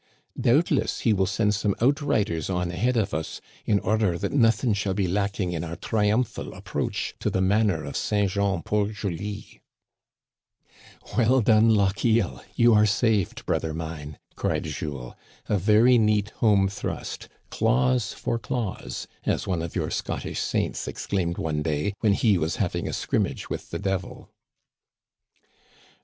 Doubtless he will send some outriders on ahead of us, in order that nothing shall be lacking in our triumphal ap proach to the manor of St. Jean Port Joli !"" Well done, Lochiel ! you are saved, brother mine," cried Jules. "A very neat home thrust Claws for claws, as one of your Scottish saints exclaimed one day, when he was having a scrimmage with the devil."